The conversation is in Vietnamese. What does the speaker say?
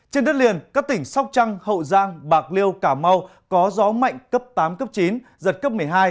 trên đất liền các tỉnh sóc trăng hậu giang bạc liêu cà mau có gió mạnh cấp tám cấp chín giật cấp một mươi hai